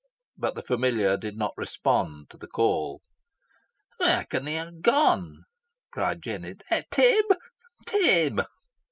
But the familiar did not respond to the call. "Where con he ha' gone?" cried Jennet; "Tib! Tib!"